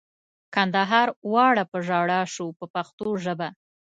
کندهار واړه په ژړا شو په پښتو ژبه.